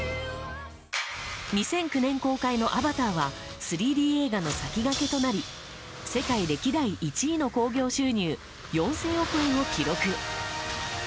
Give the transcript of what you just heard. ２００９年公開の「アバター」は３Ｄ映画の先駆けとなり世界歴代１位の興行収入４０００億円を記録。